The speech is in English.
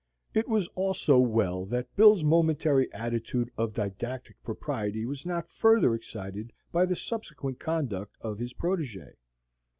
It was also well that Bill's momentary attitude of didactic propriety was not further excited by the subsequent conduct of his protege.